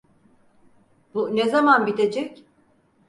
Bu ne zaman bitecek?